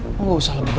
kok gak usah lebih baik